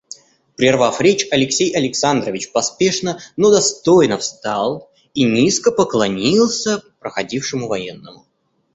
Прервав речь, Алексей Александрович поспешно, но достойно встал и низко поклонился проходившему военному.